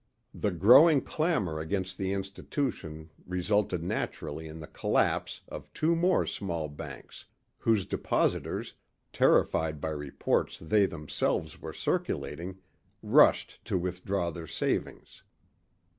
The growing clamor against the institution resulted naturally in the collapse of two more small banks whose depositors, terrified by reports they themselves were circulating, rushed to withdraw their savings.